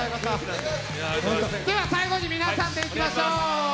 では最後に皆さんでいきましょう！